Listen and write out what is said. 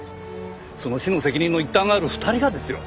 その死の責任の一端がある２人がですよ！？